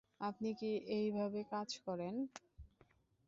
আপনি কী এইভাবে কাজ করেন?